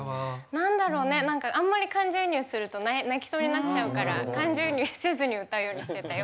何だろうねあんまり感情移入すると泣きそうになっちゃうから感情移入せずに歌うようにしてたよ。